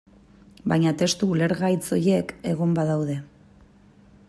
Baina testu ulergaitz horiek egon badaude.